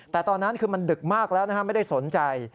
แต่ตอนนั้นคือมันดึกมากแล้วนะฮะไม่ได้สนใจ